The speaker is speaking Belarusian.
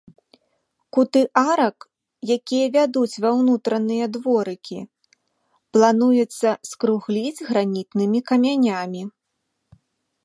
Куты арак, якія вядуць ва ўнутраныя дворыкі, плануецца скругліць гранітнымі камянямі.